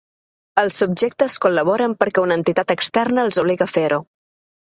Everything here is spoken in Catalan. Els subjectes col·laboren perquè una entitat externa els obliga a fer-ho.